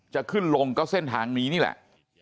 จะขึ้นลงก็เส้นทางนี้นี่แหละ